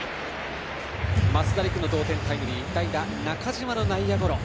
増田陸の同点タイムリー代打、中島の内野ゴロ。